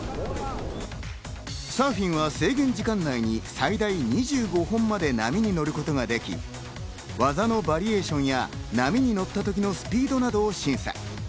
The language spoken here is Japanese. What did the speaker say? サーフィンは制限時間内に最大２５本まで波に乗ることができ、技のバリエーションや波に乗った時のスピードなどを審査。